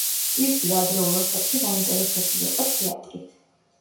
პირსი ადრეულ ასაკში დაინტერესებული იყო თეატრით.